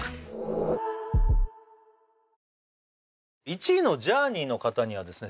１位のジャーニーの方にはですね